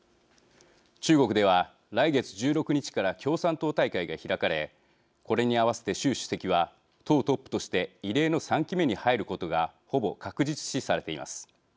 中国では来月１６日から共産党大会が開かれこれに合わせて習主席は党トップとして異例の３期目に入ることがほぼ確実視されています。